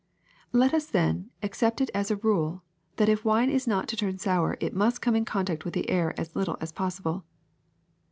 Let us, then, accept it as a rule that if wine is not to turn sour it must come in contact with the air as little as possible.